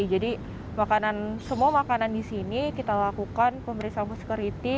jadi semua makanan di sini kita lakukan pemeriksaan food security